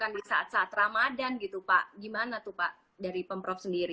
apalagi butuh pemasukan di saat saat ramadhan gitu pak gimana tuh pak dari pemprov sendiri